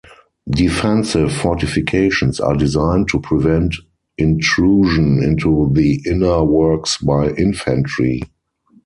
Defensive fortifications are designed to prevent intrusion into the inner works by infantry.